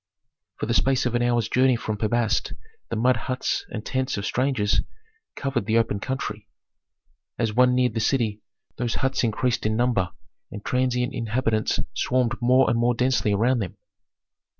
For the space of an hour's journey from Pi Bast the mud huts and tents of strangers covered the open country. As one neared the city, those huts increased in number and transient inhabitants swarmed more and more densely around them.